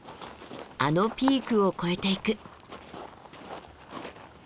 あのピークを越えていく。